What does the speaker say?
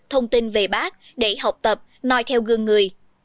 thông tin về bác để học tập nói theo gương người